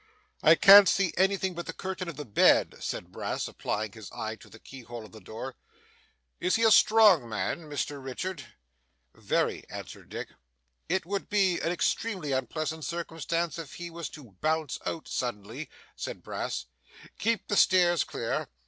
'I can't see anything but the curtain of the bed,' said Brass, applying his eye to the keyhole of the door. 'Is he a strong man, Mr Richard?' 'Very,' answered Dick. 'It would be an extremely unpleasant circumstance if he was to bounce out suddenly,' said Brass. 'Keep the stairs clear.